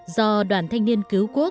do đoàn thanh niên cứu quốc